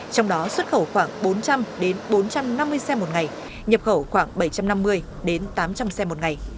trong đó xuất khẩu khoảng bốn trăm linh bốn trăm năm mươi xe một ngày nhập khẩu khoảng bảy trăm năm mươi tám trăm linh xe một ngày